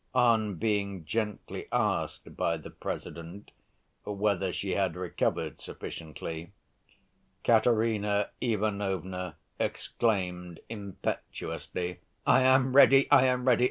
On being gently asked by the President whether she had recovered sufficiently, Katerina Ivanovna exclaimed impetuously: "I am ready, I am ready!